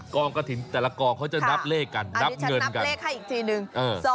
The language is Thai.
กองกระถิ่นแต่ละกองเขาจะนับเลขกันนับเงินกันอันนี้จะนับเลขให้อีกทีนึง